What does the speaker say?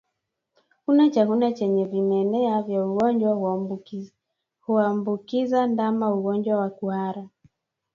Kula chakula chenye vimelea vya ugonjwa huambukiza ndama ugonjwa wa kuhara